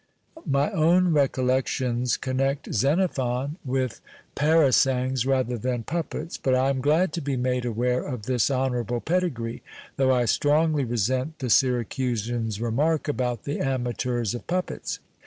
My own reeoUec 172 TlIK PUPPETS tions connect Xcnophon with purasiungs rather than puppets, but I am glad to be made aware of this honourable pedigree, though I strongly resent the Syracusan's remark about the amateurs of puppets.